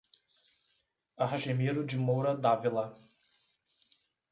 Argemiro de Moura D Avila